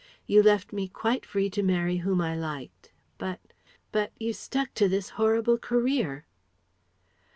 You left me quite free to marry whom I liked ... but ... but ... you stuck to this horrible career..."